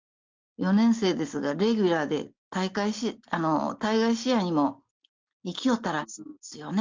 ４年生ですがレギュラーで、対外試合にも行きよったらしいんですよね。